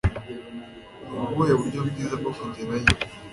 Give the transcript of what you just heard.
nubuhe buryo bwiza bwo kugerayo